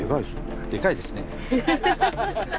でかいですね。